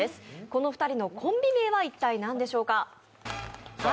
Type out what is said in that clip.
この２人のコンビ名は一体何でしょうか？